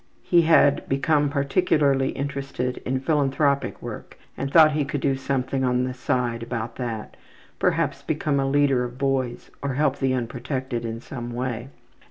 He had become particularly interested in philanthropic work and thought he could do something on the side about that perhaps become a leader of boys, or help the unprotected in some way.